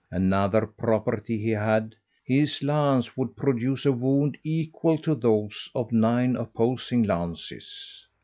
Another property he had; his lance would produce a wound equal to those of nine opposing lances.